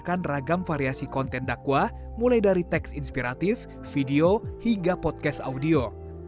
ketiga da'i juga menawarkan ragam variasi konten dakwah mulai dari teks inspiratif video hingga podcast audio